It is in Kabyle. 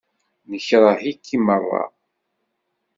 Nekṛeh-ik i meṛṛa.